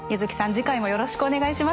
次回もよろしくお願いします。